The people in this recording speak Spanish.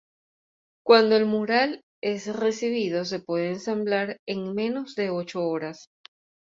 Cuando el mural es recibido se puede ensamblar en menos de ocho horas.